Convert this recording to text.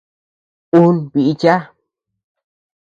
Un bícha.